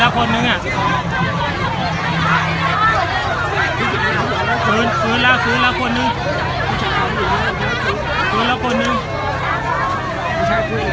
ก็ไม่มีเวลาให้กลับมาเท่าไหร่